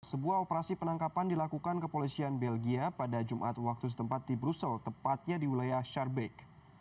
sebuah operasi penangkapan dilakukan kepolisian belgia pada jumat waktu setempat di brussel tepatnya di wilayah sharbeq